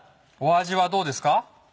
味はどうですか？